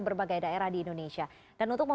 mereka juga harus memastikan keamanan siswa